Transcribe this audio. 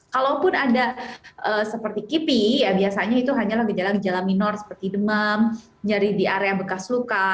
kalaupun ada seperti kipi ya biasanya itu hanyalah gejala gejala minor seperti demam nyeri di area bekas luka